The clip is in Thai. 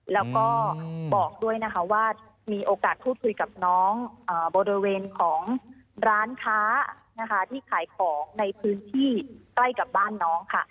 แล้วก็บอกด้วยนะคะว่ามีโอกาสพูดคุยกับน้องบริเวณของร้านค้านะคะที่ขายของในพื้นที่ใกล้กับบ้านน้องค่ะ